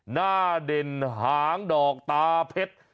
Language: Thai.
หน้าเด่นหางดอกตาเพชร